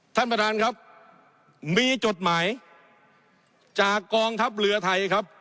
ท่านประธานครับมีจดหมายจากกองทัพเรือไทยครับ